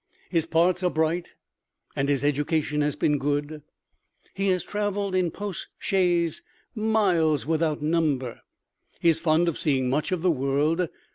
His parts are bright, and his education has been good. He has traveled in post chaises miles without number. He is fond of seeing much of the world.